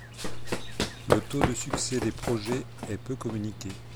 Le taux de succès des projets est peu communiqué.